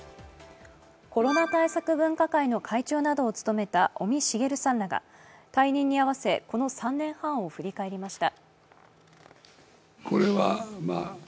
コロナ対策分科会の会長などを務めた尾身茂さんらが退任に合わせ、この３年半を振り返りました。